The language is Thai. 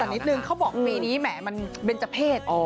แต่นิดนึงเขาบอกวันนี้แม่มันเป็นจะเพศ